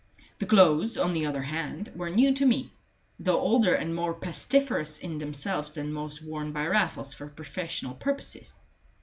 The clothes, on the other hand, were new to me, though older and more pestiferous in themselves than most worn by Raffles for professional purposes.